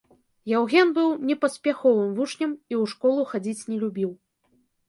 Яўген быў непаспяховым вучнем і ў школу хадзіць не любіў.